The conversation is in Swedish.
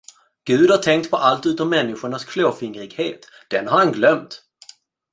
Gud har tänkt på allt utom människornas klåfingrighet, den har han glömt.